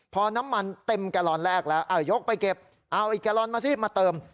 พอน้ำมันเต็มแกลลอนแรกแล้วเอายกไปเก็บเอาอีกแกลอนมาสิมาเติม